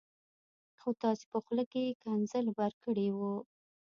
خو تاسي په خوله کي ښکنځل ورکړي و